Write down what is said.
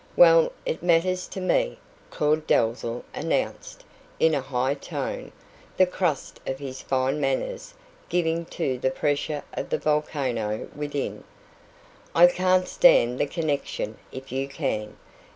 "Well, it matters to ME," Claud Dalzell announced, in a high tone, the crust of his fine manners giving to the pressure of the volcano within. "I can't stand the connection, if you can.